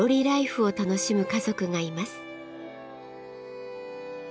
ライフを楽しむ家族がいます。